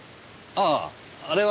あああれは。